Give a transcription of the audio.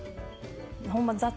ほんま雑。